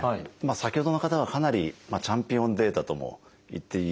先ほどの方はかなりチャンピオンデータとも言っていいような。